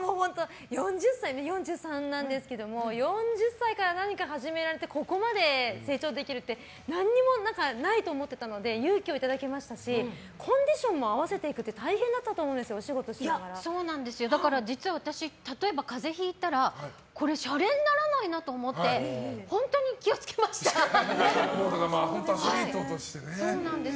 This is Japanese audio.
４３なんですけど４０歳から何か始められてここまで成長できるって何もないと思ってたので勇気をいただきましたしコンディションも合わせていくって大変だったと思うんですよだから実は、私例えば風邪ひいたらこれしゃれにならないなと思ってアスリートとしてね。